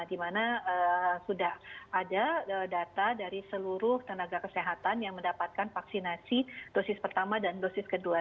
di mana sudah ada data dari seluruh tenaga kesehatan yang mendapatkan vaksinasi dosis pertama dan dosis kedua